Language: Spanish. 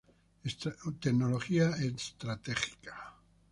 Strategic Technology.